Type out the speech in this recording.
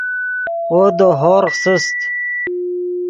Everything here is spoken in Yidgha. وو دے ہورغ سست